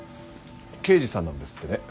刑事さんなんですってね。